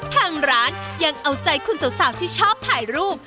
ทางร้านยังเอาใจคุณสาวที่ชอบถ่ายรูป